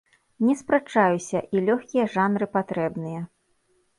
Не спрачаюся, і лёгкія жанры патрэбныя.